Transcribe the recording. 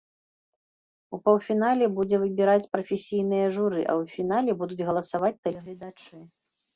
У паўфінале будзе выбіраць прафесійнае журы, а ў фінале будуць галасаваць тэлегледачы.